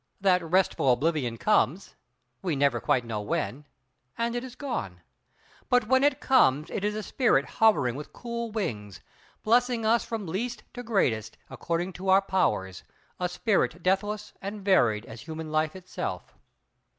That restful oblivion comes, we never quite know when—and it is gone! But when it comes, it is a spirit hovering with cool wings, blessing us from least to greatest, according to our powers; a spirit deathless and varied as human life itself.